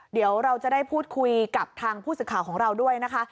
เดี๋ยวเราจะได้พูดคุยกับทางผู้สื่อข่าวของเราด้วยนะคะ